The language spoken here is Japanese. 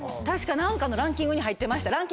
確か何かのランキングに入ってました。